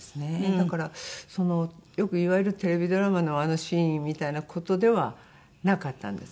だからよくいわゆるテレビドラマのあのシーンみたいな事ではなかったんです。